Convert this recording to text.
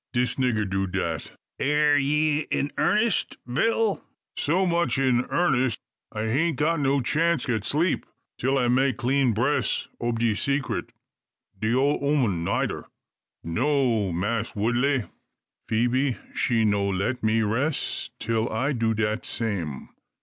"Dis nigger do dat." "Air ye in airnest, Bill?" "So much in earness I ha'n't got no chance get sleep, till I make clean bress ob de seecret. De ole ooman neider. No, Mass Woodley, Phoebe she no let me ress till I do dat same.